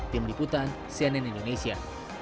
tim liputan cnn indonesia